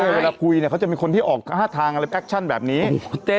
เวลาคุยเนี่ยเขาจะมีคนที่ออกห้าทางอะไรแอคชั่นแบบนี้โอ้โหเต้